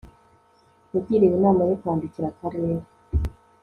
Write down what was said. yagiriwe inama yo kwandikira akarere